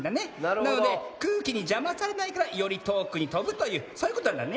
なのでくうきにじゃまされないからよりとおくにとぶというそういうことなんだね。